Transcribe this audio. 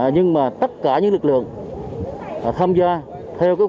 nhưng mà tất cả những lực lượng tham gia theo kế hoạch